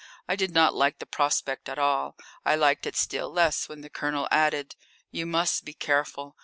I did not like the prospect at all. I liked it still less when the Colonel added: "You must be careful.